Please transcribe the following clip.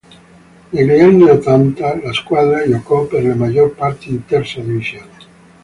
Negli anni ottanta la squadra giocò per la maggior parte in terza divisione.